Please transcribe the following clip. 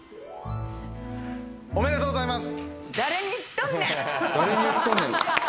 おめでとうございます。